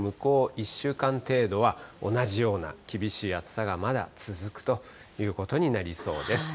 １週間程度は、同じような厳しい暑さがまだ続くということになりそうです。